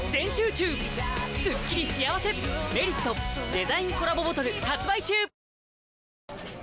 デザインコラボボトル発売中！